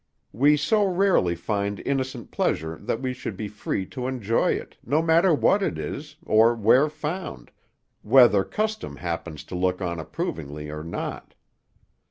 We so rarely find innocent pleasure that we should be free to enjoy it, no matter what it is, or where found, whether custom happens to look on approvingly or not."